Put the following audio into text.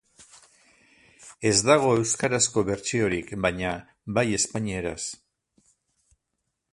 Ez dago euskarazko bertsiorik, baina bai espainieraz.